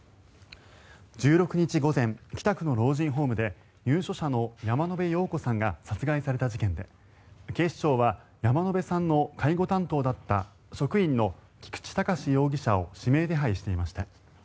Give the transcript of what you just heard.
１６日午前北区の老人ホームで入所者の山野辺陽子さんが殺害された事件で警視庁は山野辺さんの介護担当だった職員の菊池隆容疑者を指名手配していました。